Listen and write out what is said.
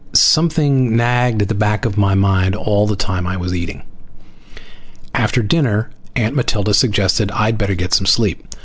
Something nagged at the back of my mind all the time I was eating. After dinner Aunt Matilda suggested I'd better get some sleep.